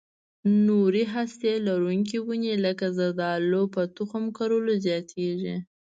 نورې هسته لرونکې ونې لکه زردالو په تخم کرلو زیاتېږي.